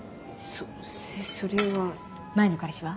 そそれは前の彼氏は？